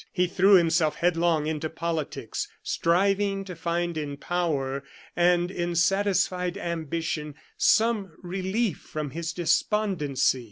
He threw himself headlong into politics, striving to find in power and in satisfied ambition some relief from his despondency.